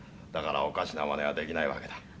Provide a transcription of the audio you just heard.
だからおかしな真似はできない訳だ。